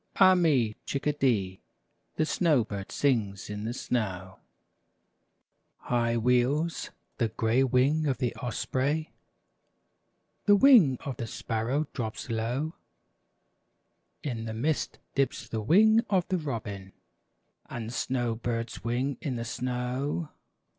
Ah me !^ Chickadee ! The snow bird sings in the snow ! High wheels the gray wing of the osprey, The wing of the sparrow drops low ; In the mist dips the wing of the robin, And the snow bird's wing in the snow.